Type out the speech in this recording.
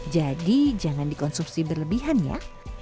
jadi jangan dikonsumsi berlebihan ya